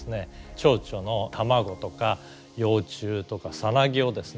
チョウチョの卵とか幼虫とかサナギをですね